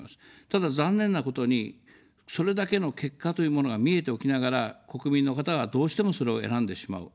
ただ残念なことに、それだけの結果というものが見えておきながら、国民の方は、どうしてもそれを選んでしまう。